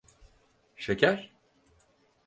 Şeker?